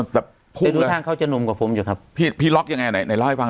ครับแต่ดูทางเขาจะนุ่มกว่าผมอยู่ครับพี่พี่ล็อกยังไงไหนรอให้ฟัง